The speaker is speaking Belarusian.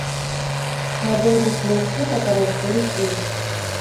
На думку следства, такая сувязь ёсць.